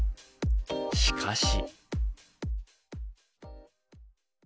しかし。